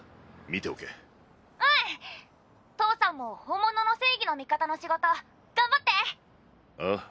見ておけ☎父さんも本物の正義の味方の仕事頑張ってああ。